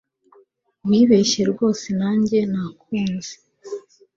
wibeshye rwose nanjye nakunze